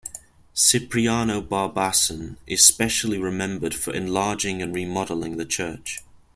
Cipriano Barbasan is specially remembered for enlarging and remodeling the church.